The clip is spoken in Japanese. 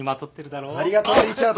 ありがとうリチャード。